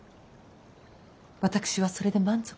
私はそれで満足。